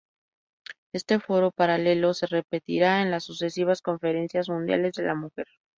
Este Foro paralelo se repetirá en las sucesivas Conferencias Mundiales de la Mujer.